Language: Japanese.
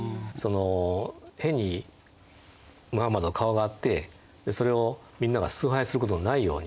変にムハンマドの顔があってそれをみんなが崇拝することがないように。